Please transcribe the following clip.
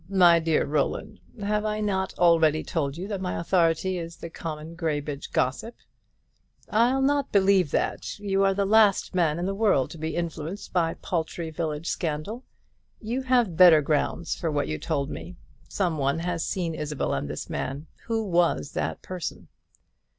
my dear Roland, have I not already told you that my authority is the common Graybridge gossip?" "I'll not believe that. You are the last man in the world to be influenced by paltry village scandal. You have better grounds for what you told me. Some one has seen Isabel and this man. Who was that person?"